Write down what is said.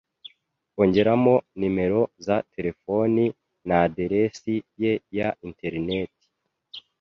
ongeramo nimero za terefoni n’aderesi ye ya interineti.